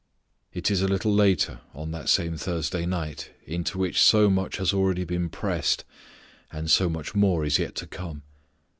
It is a little later on that same Thursday night, into which so much has already been pressed and so much more is yet to come.